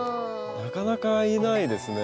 なかなかいないですね。